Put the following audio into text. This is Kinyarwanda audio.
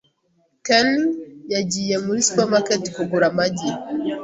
Ken yagiye muri supermarket kugura amagi .